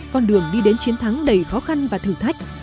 con đường đi đến chiến thắng đầy khó khăn và thử thách